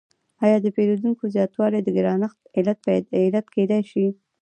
آیا د پیرودونکو زیاتوالی د ګرانښت علت کیدای شي؟